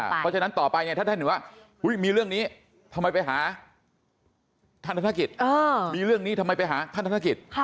เพราะฉะนั้นต่อไปถ้าแทนเหนือว่ามีเรื่องนี้ทำไมไปหาท่านธนาคิต